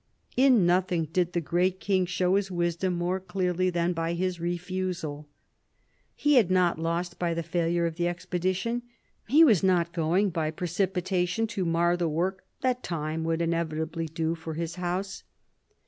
In nothing did the great king show his wisdom more clearly than by his refusal. He had not lost by the failure of the expedition : he was not going by precipitation to mar the work that time would inevitably do for his house.